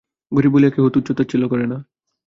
গরিব বলিয়া কেহ তুচ্ছ-তাচ্ছিল্য করে না।